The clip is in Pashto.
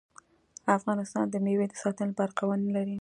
افغانستان د مېوې د ساتنې لپاره قوانین لري.